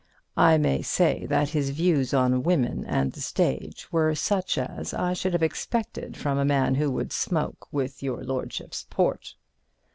I may say that his views on women and the stage were such as I should have expected from a man who would smoke with your lordship's port.